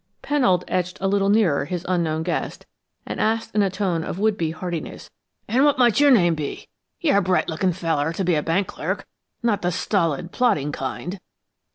Pennold edged a little nearer his unknown guest and asked in a tone of would be heartiness. "And what might your name be? You're a bright looking feller to be a bank clerk not the stolid, plodding kind."